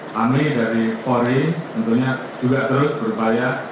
kami dari polri tentunya juga terus berupaya